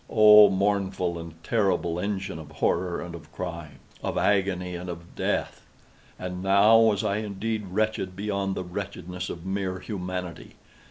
—oh, mournful and terrible engine of Horror and of Crime—of Agony and of Death! And now was I indeed wretched beyond the wretchedness of mere Humanity.